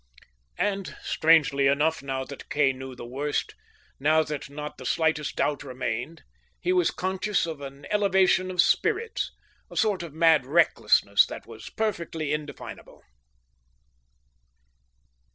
And, strangely enough, now that Kay knew the worst, now that not the slightest doubt remained, he was conscious of an elevation of spirits, a sort of mad recklessness that was perfectly indefinable.